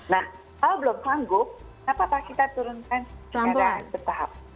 nah kalau belum sanggup kenapa kita turunkan secara bertahap